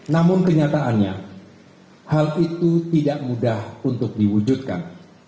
namun kenyataannya hal itu tidak mudah untuk diwujudkan